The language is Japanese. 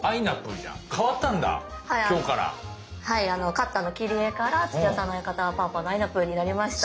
カッターの切り絵から土屋さんの相方はパーパーのあいなぷぅになりました。